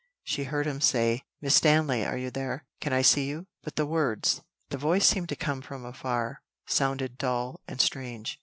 She heard him say, "Miss Stanley, are you there? Can I see you?" But the words the voice seemed to come from afar sounded dull and strange.